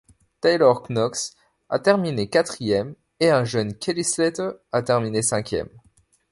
Taylor Knox a terminé quatrième, et un jeune Kelly Slater a terminé cinquième.